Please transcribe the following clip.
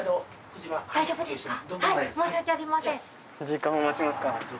時間を待ちますか。